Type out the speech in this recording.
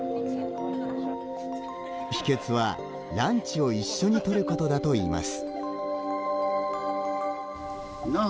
秘訣は、ランチを一緒に取ることだといいます。